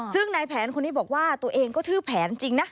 ซึ่งนายแผนคนนี้บอกว่าตัวเองก็ชื่อแผนจริงนะ